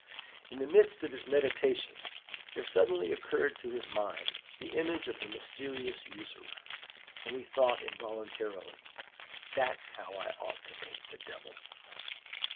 In the midst of his meditations there suddenly occurred to his mind the image of the mysterious usurer; and he thought involuntarily, 'That's how I ought to paint the Devil!